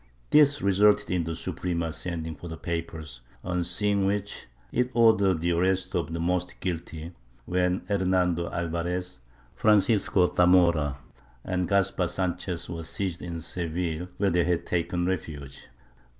This resulted in the Suprema sending for the papers, on seeing which it ordered the arrest of the most guilty, when Hernando Alvarez, Francisco Zamora and Caspar Sanchez were seized in Seville, where they had taken refuge.